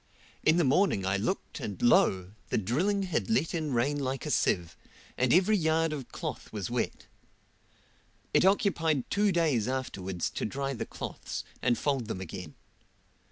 In the morning I looked and lo! the drilling had let in rain like a sieve, and every yard of cloth was wet. It occupied two days afterwards to dry the cloths, and fold them again.